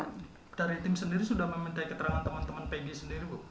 dari tim sendiri sudah meminta keterangan teman teman pg sendiri bu